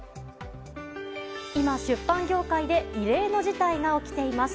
今、出版業界で異例の事態が起きています。